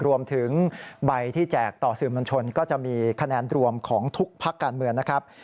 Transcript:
รวมถึงใบที่แจกต่อสื่อมวลชนก็จะมีคะแนนรวมของทุกพักการเมืองนะครับ